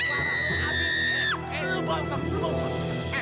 sampai suara lo abis